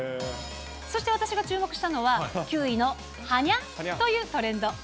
そして私が注目したのは、９位のはにゃ？というトレンド。